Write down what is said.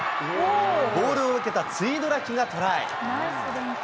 ボールを受けたツイドラキがトライ。